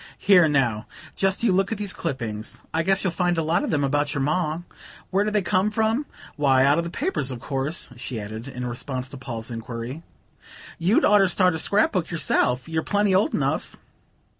"Here, now, just you look at these clippings I guess you'll find a lot in them about your Ma. Where do they come from? Why, out of the papers, of course," she added, in response to Paul's enquiry. "You'd oughter start a scrap book yourself you're plenty old enough.